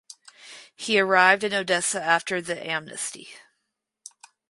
He arrived in Odessa after the amnesty.